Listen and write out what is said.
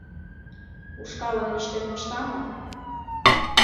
— Ушкалым лӱштен мошта мо?